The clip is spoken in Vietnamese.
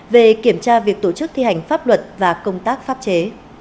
về kiểm tra việc tổ chức thi hành pháp luật và công tác pháp chế